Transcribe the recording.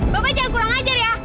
bapak jangan kurang ajar ya